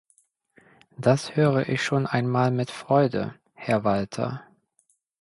Das höre ich schon einmal mit Freude, Herr Walter!